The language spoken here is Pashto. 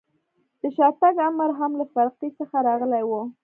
د شاتګ امر هم له فرقې څخه راغلی و.